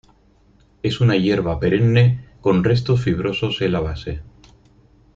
Es una hierba perenne, con restos fibrosos en la base.